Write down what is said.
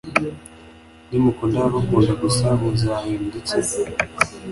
nimukunda ababakunda gusa muzahembwa iki